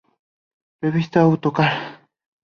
Revista Autocar.